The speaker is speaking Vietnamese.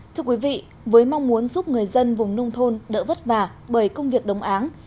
thưa quý vị với mong muốn giúp người dân vùng nông thôn đỡ vất vả bởi công việc đồng áng